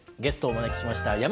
ゲストをお招きしました。